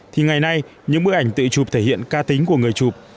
thì ngày nay những bức ảnh tự chụp thể hiện ca tính của người chụp